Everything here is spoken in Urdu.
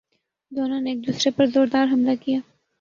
دونوں نے ایک دوسرے پرزوردار حملہ کیا